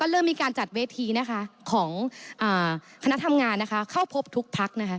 เริ่มมีการจัดเวทีของคณะทำงานเข้าพบทุกพัก